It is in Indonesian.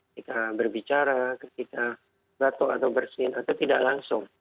kita berbicara kita gatok atau bersihin atau tidak langsung